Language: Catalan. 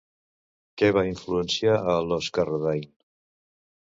Què va influenciar a Los Carradine?